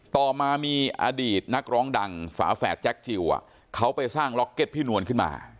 ต่อมามีอดีตนักร้องดังฝาแฝดแจ็คจิลเขาไปสร้างล็อกเก็ตพี่นวลขึ้นมา